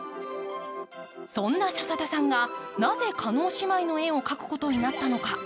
そんな笹田さんが、なぜ叶姉妹の絵を描くことになったのか。